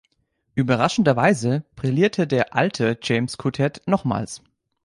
Überraschenderweise brillierte der «alte» James Couttet nochmals.